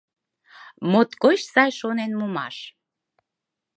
Моткоч сай шонен мумаш!